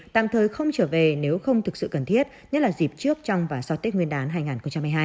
tạm thời không trở về nếu không thực sự cần thiết nhất là dịp trước trong và sau tết nguyên đán hai nghìn hai mươi hai